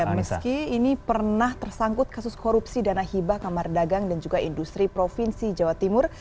meski ini pernah tersangkut kasus korupsi dana hibah kamar dagang dan juga industri provinsi jawa timur